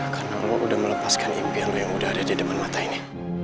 karena lo udah melepaskan impian lo yang udah ada di depan mata ini